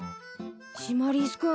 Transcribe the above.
シマリス君。